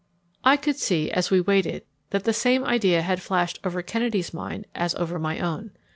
I could see, as we waited, that the same idea had flashed over Kennedy's mind as over my own.